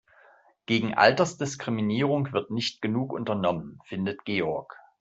Gegen Altersdiskriminierung wird nicht genug unternommen, findet Georg.